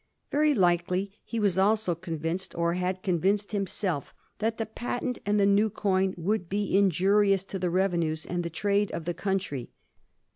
Very likely he was also convinced, or had convinced him self, that the patent and the new coin would be in jurious to the revenues and the trade of the country.